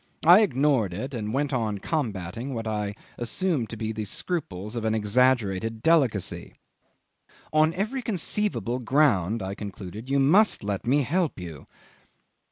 I ignored it, and went on combating what I assumed to be the scruples of an exaggerated delicacy. "On every conceivable ground," I concluded, "you must let me help you."